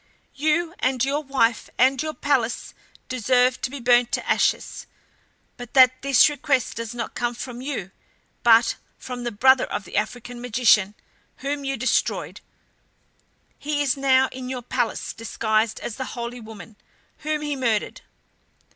You and your wife and your palace deserve to be burnt to ashes, but that this request does not come from you, but from the brother of the African magician, whom you destroyed. He is now in your palace disguised as the holy woman, whom he murdered.